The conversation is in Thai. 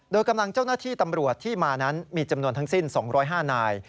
โดยกำลังเจ้าหน้าที่ตำรวจที่มานั้นมีจำนวนทั้งสิ้น๒๐๕นาย